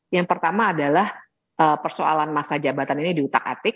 yang pertama adalah persoalan masa jabatan ini diutak atik